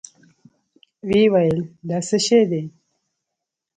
ويې ويل دا څه شې دي؟